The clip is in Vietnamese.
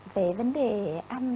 về vấn đề ăn